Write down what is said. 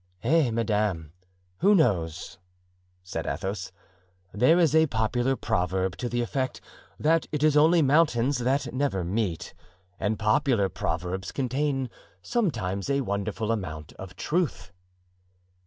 "Eh, madame, who knows?" said Athos. "There is a popular proverb to the effect that it is only mountains that never meet; and popular proverbs contain sometimes a wonderful amount of truth."